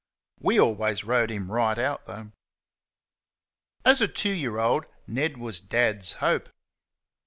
WE always rode him right out, though. As a two year old Ned was Dad's hope.